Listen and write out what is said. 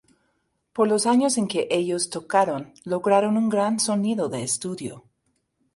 Por los años en que ellos tocaron lograron un gran sonido de estudio.